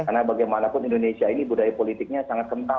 karena bagimanapun indonesia ini budaya politiknya sangat kental